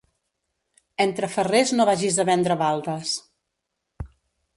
Entre ferrers no vagis a vendre baldes.